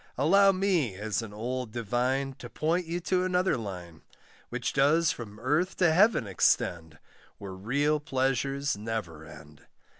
Allow me, as an old divine, To point you to another line, Which does from earth to heaven extend, Where real pleasures never end.